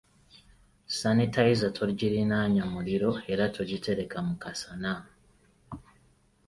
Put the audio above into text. Sanitayiza togirinaanya muliro era togitereka mu kasana.